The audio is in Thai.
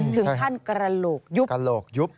ถึงท่านกระโหลกยุบ